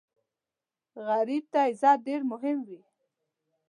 غریب ته عزت ډېر مهم وي